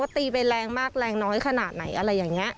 ตีไปแรงมากแรงน้อยขนาดไหนอะไรอย่างนี้